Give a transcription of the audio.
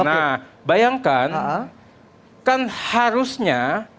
nah bayangkan kan harusnya